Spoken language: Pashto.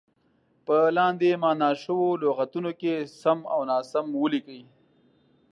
په لاندې معنا شوو لغتونو کې سم او ناسم ولیکئ.